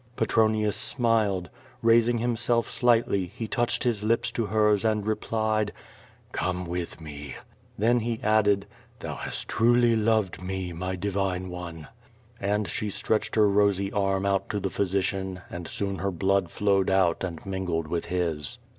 Petronius smiled. Eaising himself slightly, he touched his lips to hers and replied: "Come with me.^' Then he added: "^hou hast truly loved me, my divine one." And she stretched her rosy arm out to the physician and soon her blood flowed out and mingled with his.